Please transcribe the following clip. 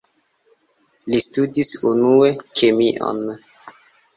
Ŝi studis unue kemion.